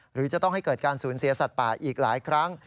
หรือจะต้องให้เกิดการสูญเสียสัตว์ป่าอีกหลายครั้ง